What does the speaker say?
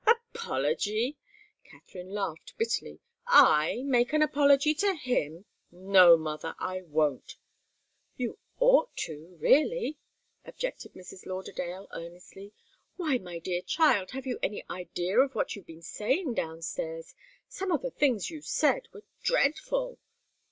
"Apology?" Katharine laughed bitterly. "I make an apology to him? No, mother I won't." "You ought to really," objected Mrs. Lauderdale, earnestly. "Why, my dear child! Have you any idea of what you've been saying downstairs? Some of the things you said were dreadful."